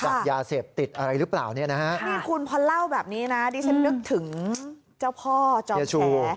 จากยาเสพติดอะไรหรือเปล่าเนี่ยนะฮะนี่คุณพอเล่าแบบนี้นะดิฉันนึกถึงเจ้าพ่อจอมแฉ